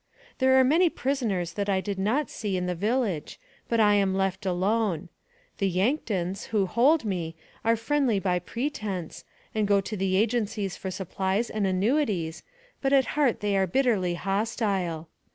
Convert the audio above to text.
" There were many prisoners that I did not see in the village, but I am left alone. The Yanktons, who hold me, are friendly by pretense, and go to the agencies for supplies and annuities, but at heart they are bitterly hostile.